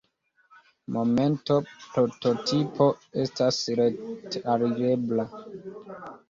Momente prototipo estas ret-alirebla.